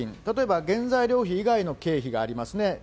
例えば原材料費以外の経費がありますね。